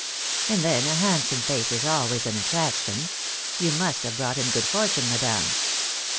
"And then, a handsome face is always an attraction. You must have brought him good fortune, madame."